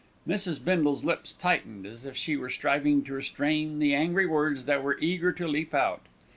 Mrs. Bindle's lips tightened, as if she were striving to restrain the angry words that were eager to leap out.